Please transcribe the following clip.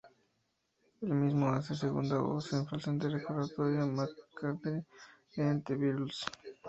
El mismo hace la segunda voz en falsete recordando a McCartney en The Beatles.